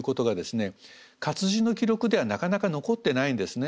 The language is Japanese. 活字の記録ではなかなか残ってないんですね。